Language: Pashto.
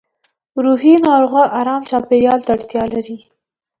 روحي ناروغان ارام چاپېریال ته اړتیا لري